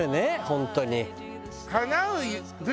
本当に。